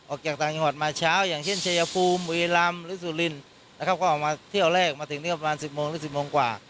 ออกจากต่างจังหวัดมาเช้าอย่างเช่นชายภูมิบุรีรำหรือสุรินนะครับก็ออกมาเที่ยวแรกมาถึงนี่ประมาณ๑๐โมงหรือ๑๐โมงกว่า